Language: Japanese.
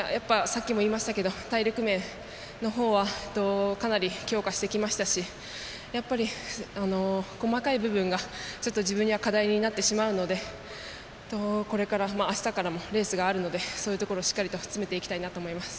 体力面のほうはかなり強化してきましたしやっぱり細かい部分が自分には課題になってしまうのでこれからあしたからもレースがあるのでそういうところしっかりと詰めていきたいなと思います。